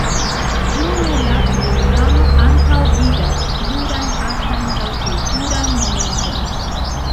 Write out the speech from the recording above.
Krome la programo antaŭvidas plurajn artajn kaj kulturajn momentojn.